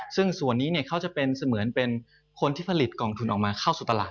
ซึ่งส่วนนี้เขาจะเป็นเสมือนเป็นคนที่ผลิตกองทุนออกมาเข้าสู่ตลาด